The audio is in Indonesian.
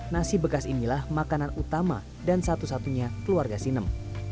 nasi bekas inilah makanan utama dan satu satunya keluarga sinem